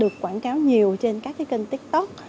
được quảng cáo nhiều trên các kênh tiktok